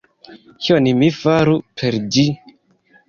Kion mi faru per ĝi...